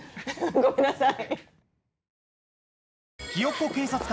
ごめんなさい。